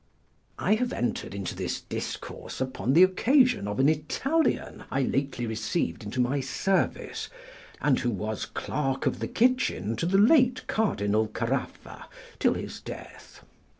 I have entered into this discourse upon the occasion of an Italian I lately received into my service, and who was clerk of the kitchen to the late Cardinal Caraffa till his death.